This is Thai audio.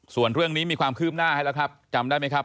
ส่วนเรื่องนี้มีความคืบหน้าให้แล้วครับจำได้ไหมครับ